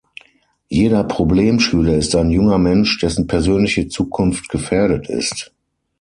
Jeder Problemschüler ist ein junger Mensch, dessen persönliche Zukunft gefährdet ist.